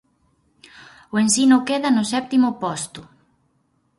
O Ensino queda no sétimo posto.